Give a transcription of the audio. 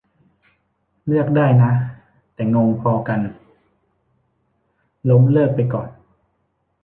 เลือกได้นะ แต่งงพอกัน ล้มเลิกไปก่อน